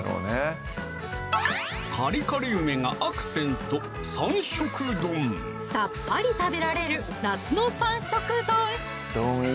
カリカリ梅がアクセントさっぱり食べられる夏の三色丼